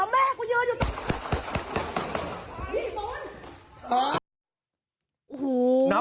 แม่มันเยอะอยู่ตรงนี้